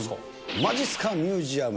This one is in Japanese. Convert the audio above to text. まじっすかミュージアム